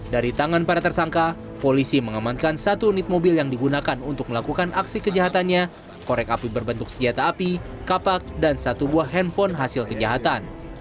dari tangan para tersangka polisi mengamankan satu unit mobil yang digunakan untuk melakukan aksi kejahatannya korek api berbentuk senjata api kapak dan satu buah handphone hasil kejahatan